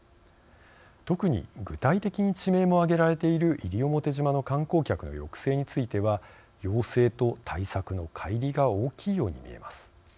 特に具体的に地名も挙げられている西表島の観光客の抑制については要請と対策の、かい離が大きいように見えます。